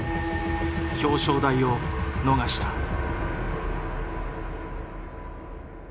表彰台を逃した。